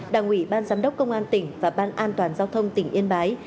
đảng ủy ban giám đốc công an tỉnh và ban an toàn giao thông tỉnh yên bái